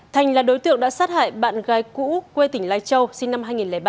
thành là đối tượng đã sát hại bạn gái cũ quê tỉnh lai châu sinh năm hai nghìn ba